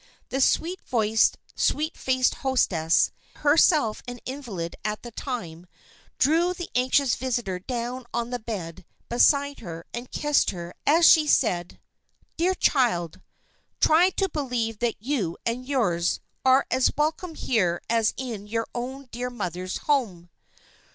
The sweet voiced, sweet faced hostess, herself an invalid at this time, drew the anxious visitor down on the bed beside her and kissed her as she said: "Dear child! try to believe that you and yours are as welcome here as in your own dear mother's home."